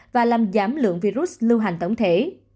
và làm giảm lượng virus lưu hành tổng thể